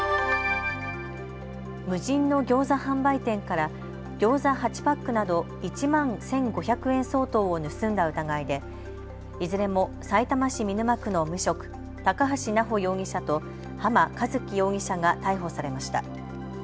無人のギョーザ販売店からギョーザ８パックなど１万１５００円相当を盗んだ疑いでいずれもさいたま市見沼区の無職、高橋直穂容疑者と濱一輝容疑者が逮捕されました。